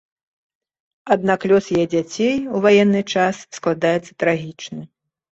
Аднак лёс яе дзяцей у ваенны час складаецца трагічна.